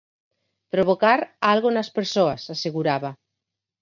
Provocar algo nas persoas, aseguraba.